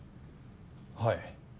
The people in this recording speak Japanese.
はい。